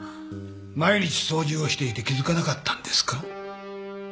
毎日掃除をしていて気付かなかったんですか？